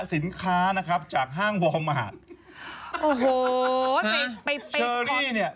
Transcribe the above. สินค้านะครับจากห้างวอร์มมหาดโอ้โหไปไปเชอรี่เนี่ย